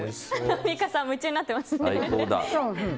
アンミカさん夢中になってますね。